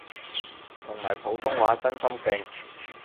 同埋普通話真心勁